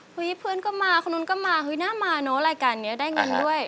เพื่อนก็มาคนนู้นก็มาเฮ้ยน่ามาเนอะรายการนี้ได้เงินด้วย